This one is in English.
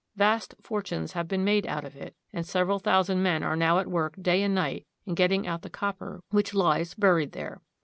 Vast fortunes have been made out of it, and several thousand men are now at work day and night in getting out the copper which lies buried there.